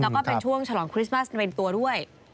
แล้วก็เป็นช่วงฉลองคริสต์มาสเวนตัวด้วย